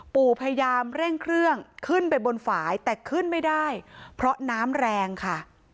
ปู่พยายามเร่งเครื่องขึ้นไปบนฝ่ายแต่ขึ้นไม่ได้เพราะน้ำแรงค่ะ